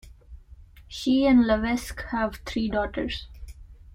She and Levesque have three daughters.